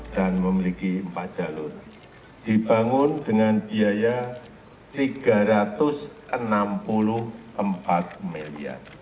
dan memiliki empat jalur dibangun dengan biaya rp tiga ratus enam puluh empat miliar